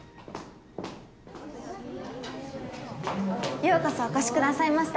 ようこそお越しくださいました